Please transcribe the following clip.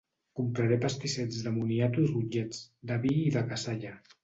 Compraré pastissets de moniato i rotllets, de vi i de cassalla.